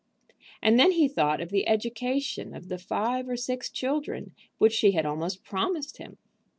And then he thought of the education of the five or six children which she had almost promised him!